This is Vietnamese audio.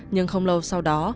nhưng không lâu sau đó